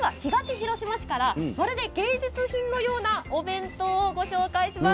明日は、まるで芸術品のようなお弁当をご紹介します。